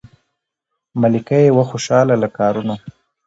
ملکه یې وه خوشاله له کارونو